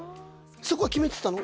そこは決めてたの？